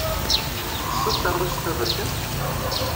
Tettessed taɣlust taberkant?